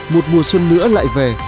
một mùa xuân nữa lại về